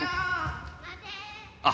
あっ